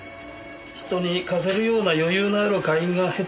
人に貸せるような余裕のある会員が減ったんですよ。